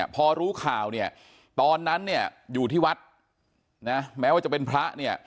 พอรู้ข่าวตอนนั้นอยู่ที่วัดแม้ว่าจะเป็นพระ